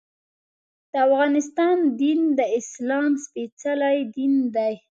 د افغانستان دین د اسلام سپېڅلی دین دی.